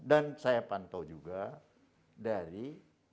dan saya pantau juga dari